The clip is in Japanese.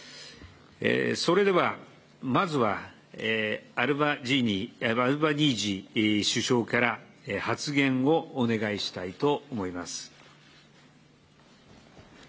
それでは、まずはアルバニージー首相から発言をお願いしたいと思います。